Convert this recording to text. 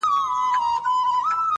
اوس مي د هغي دنيا ميـر ويـــده دی-